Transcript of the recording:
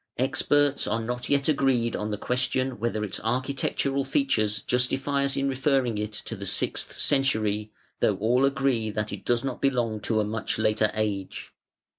Experts are not yet agreed on the question whether its architectural features justify us in referring it to the sixth century, though all agree that it does not belong to a much later age.